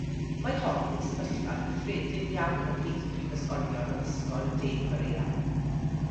Mae hon yn sefyllfa gyffredin iawn ymhlith prifysgolion addysgol De Corea.